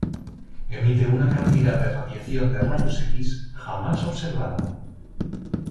Emite una cantidad de radiación de rayos X jamás observada.